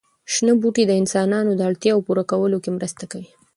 شنه بوټي د انسانانو د اړتیاوو پوره کولو کې مرسته کوي.